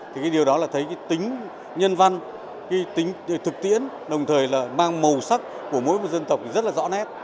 thì điều đó là thấy tính nhân văn tính thực tiễn đồng thời là mang màu sắc của mỗi dân tộc rất là rõ nét